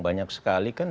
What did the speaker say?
banyak sekali kan